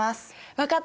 分かった！